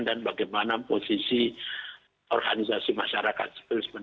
dan bagaimana posisi organisasi masyarakat seperti mud